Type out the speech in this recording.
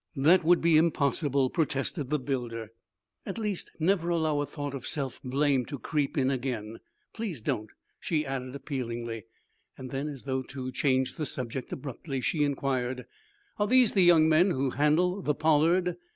"That would be impossible," protested the builder. "At least, never allow a thought of self blame to creep in again. Please don't," she added, appealingly. Then, as though to change the subject abruptly, she inquired: "Are these the young men who handle the 'Pollard?'